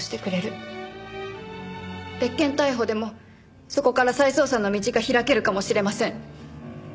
別件逮捕でもそこから再捜査の道が開けるかもしれません。